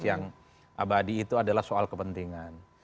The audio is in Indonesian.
yang abadi itu adalah soal kepentingan